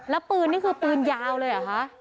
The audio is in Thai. แล้วปืนนี่คือปืนยาวเลยเหรอคะ